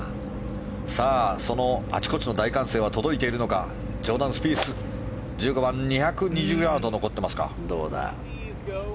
さあ、そのあちこちの大歓声は届いているのかジョーダン・スピース、１５番２２０ヤード残ってますか。